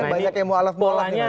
banyak yang mu'alaf mu'alaf nih mas